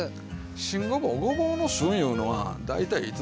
新ごぼうごぼうの旬いうのは大体いつですか？